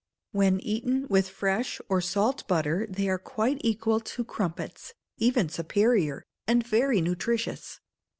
When eaten with fresh or salt butter they are equal to crumpets even superior, and very nutritious.